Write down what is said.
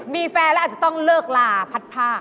มีแฟนแล้วอาจจะต้องเลิกลาพัดพลาก